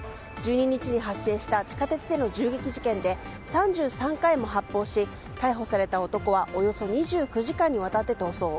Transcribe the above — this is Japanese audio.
１２日に発生した地下鉄での銃撃事件で３３回も発砲し逮捕された男はおよそ２９時間にわたって逃走。